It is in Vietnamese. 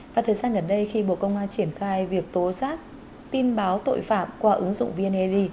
và thời gian gần đây khi bộ công an triển khai việc tố giác tin báo tội phạm qua ứng dụng vneid